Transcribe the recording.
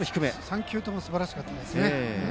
３球ともすばらしかったですね。